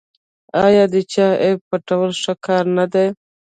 آیا د چا عیب پټول ښه کار نه دی؟